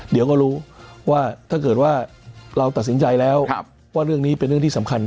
เดี๋ยวก็รู้ว่าถ้าเกิดว่าเราตัดสินใจแล้วว่าเรื่องนี้เป็นเรื่องที่สำคัญ